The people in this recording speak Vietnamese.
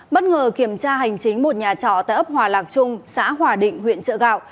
bất ngờ kiểm tra hành chính một nhà trọ tại ấp hòa lạc trung xã hòa định huyện trợ gạo